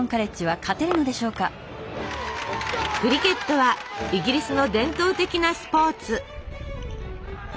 クリケットはイギリスの伝統的なスポーツ。